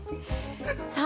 さあ、